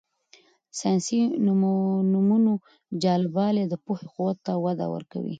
د ساینسي نومونو جالبوالی د پوهې قوت ته وده ورکوي.